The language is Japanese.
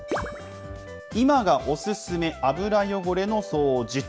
今がおすすめ油汚れの掃除と。